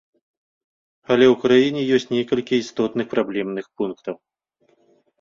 Але ў краіне ёсць некалькі істотных праблемных пунктаў.